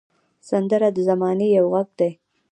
سندره د زمانې یو غږ دی